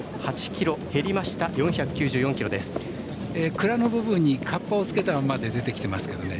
鞍の部分にかっぱをつけた状態で出てきていますけどね